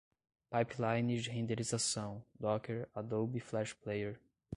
pipeline de renderização, docker, adobe flash player